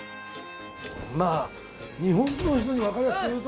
まあ日本の人にわかりやすく言うと。